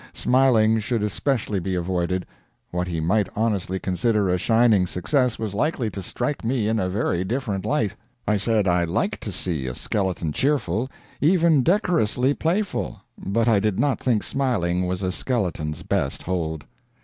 Smiling should especially be avoided. What HE might honestly consider a shining success was likely to strike me in a very different light. I said I liked to see a skeleton cheerful, even decorously playful, but I did not think smiling was a skeleton's best hold.